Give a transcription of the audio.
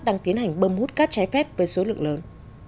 đang tiến hành bơm hút cát trái phép với số lượng lớn